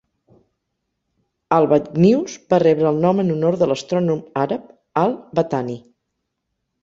Albatgnius va rebre el nom en honor de l'astrònom àrab Al-Battani.